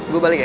gue balik ya